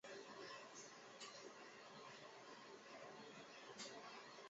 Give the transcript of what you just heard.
乳白黄耆为豆科黄芪属的植物。